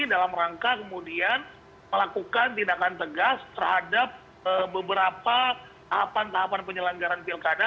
dalam rangka kemudian melakukan tindakan tegas terhadap beberapa tahapan tahapan penyelenggaran pilkada